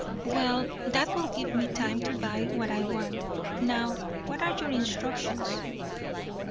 "Well, that will give me time to buy what I want. Now, what are your instructions?"